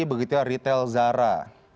begitulah retail zara